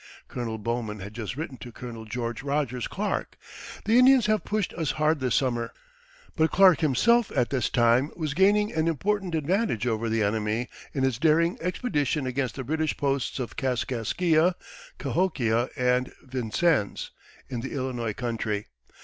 Colonel Bowman had just written to Colonel George Rogers Clark, "The Indians have pushed us hard this summer." But Clark himself at this time was gaining an important advantage over the enemy in his daring expedition against the British posts of Kaskaskia, Cahokia, and Vincennes, in the Illinois country.